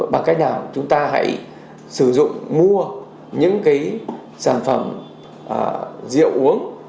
bằng cách nào chúng ta hãy sử dụng mua những cái sản phẩm rượu uống